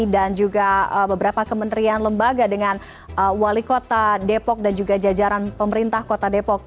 dan juga beberapa kementerian lembaga dengan wali kota depok dan juga jajaran pemerintah kota depok